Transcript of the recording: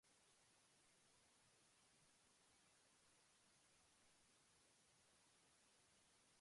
Standardization of reporting practices and data collection methods can help overcome this challenge.